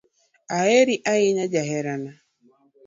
Aheri ahinya jaherana